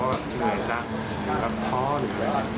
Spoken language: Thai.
ว่าเหนื่อยจังก็ทอดหรือเปล่า